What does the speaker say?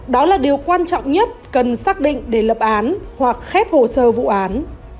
đó là điều quan trọng nhất cần xác định để lập án hoặc khép hồ sơ vụ án